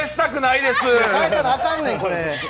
返さなあかんねん。